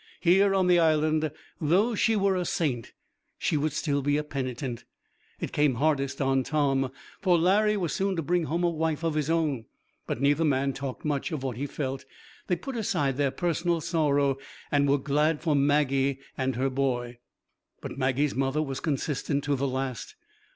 Here on the Island, though she were a saint, she would still be a penitent. It came hardest on Tom, for Larry was soon to bring home a wife of his own, but neither man talked much of what he felt. They put aside their personal sorrow and were glad for Maggie and her boy. But Maggie's mother was consistent to the last.